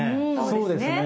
そうですね。